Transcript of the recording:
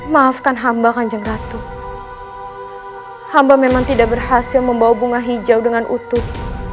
maafkan hamba kanjeng ratu hamba memang tidak berhasil membawa bunga hijau dengan utuh